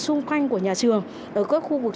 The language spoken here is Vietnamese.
xung quanh của nhà trường ở các khu vực